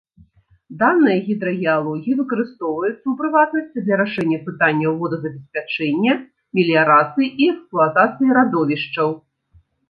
Даныя гідрагеалогіі выкарыстоўваюцца, у прыватнасці, для рашэння пытанняў водазабеспячэння, меліярацыі і эксплуатацыі радовішчаў.